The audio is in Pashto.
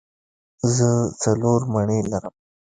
زه څلور مڼې لرم.